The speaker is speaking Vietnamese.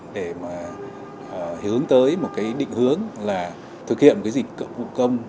để mà hướng tới một cái định hướng là thực hiện cái dịch vụ công